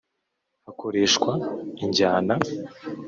Hakoreshwa injyana